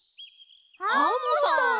アンモさん！